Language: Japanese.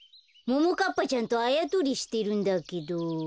ももかっぱちゃんとあやとりしてるんだけど。